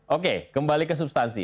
oke kembali ke substansi